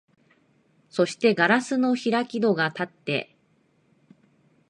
そして硝子の開き戸がたって、